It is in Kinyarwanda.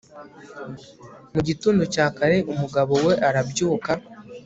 mu gitondo cya kare, umugabo we arabyuka